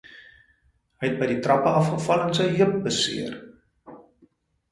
Hy het by die trappe afgeval en sy heup beseer.